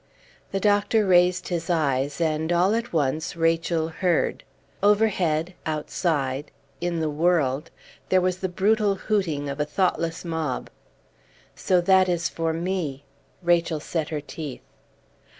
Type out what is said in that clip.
The doctor raised his eyes, and all at once Rachel heard. Overheard outside in the world there was the brutal hooting of a thoughtless mob. "So that is for me!" Rachel set her teeth.